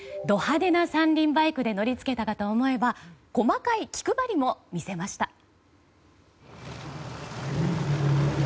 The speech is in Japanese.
ド派手な三輪バイクで乗り付けたかと思えば細かい気配りも見せました。